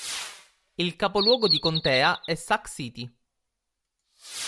Il capoluogo di contea è Sac City.